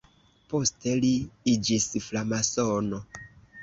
Poste li iĝis framasono.